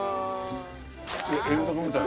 男性：遠足みたい。